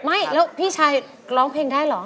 ไม่แล้วพี่ชายร้องเพลงได้เหรอ